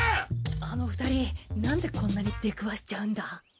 あの２人なんでこんなに出くわしちゃうんだ？